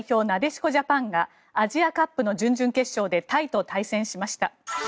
なでしこジャパンがアジアカップの準々決勝でタイと対戦しました。